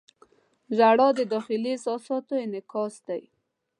• ژړا د داخلي احساساتو انعکاس دی.